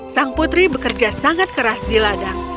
sang putri bekerja sangat keras di ladang